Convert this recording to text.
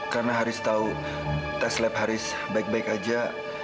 karena haris tahu tes lab haris baik baik saja